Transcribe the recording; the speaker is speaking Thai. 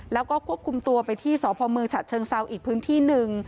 แล้วก็ควบคุมตัวไปที่สพเมืองฉะเชิงเซาอีกพื้นที่หนึ่ง